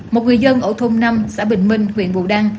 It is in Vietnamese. một người dân ở thôn năm xã bình minh huyện bù đăng